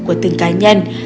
của từng cá nhân